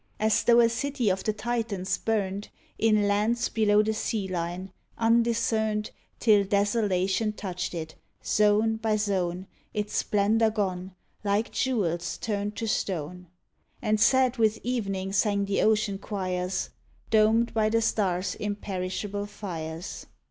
As tho' a city of the Titans burned In lands below the sea line, undiscerned, Till desolation touched it, zone by zone, Its splendors gone, like jewels turned to stone, And sad with evening sang the ocean choirs, Domed by the stars' imperishable fires.